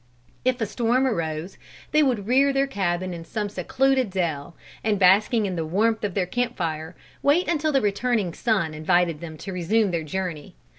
If a storm arose, they would rear their cabin in some secluded dell, and basking in the warmth of their camp fire wait until the returning sun invited them to resume their journey.